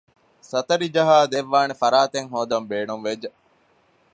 ސަތަރި ޖަހައި ދެއްވާނެ ފަރާތެއް ހޯދަން ބޭނުންވެއްޖެ